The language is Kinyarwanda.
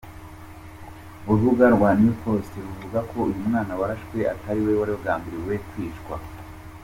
Urubuga rwa New Time Post ruvuga ko uyu mwana yarashwa atariwe wari wagambiriwe kwicwa.